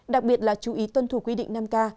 đặc biệt là chú ý tuân thủ quy định năm k